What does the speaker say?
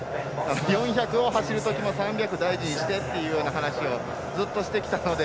４００を走るときの３００を大事にしてって話をずっとしてきたので。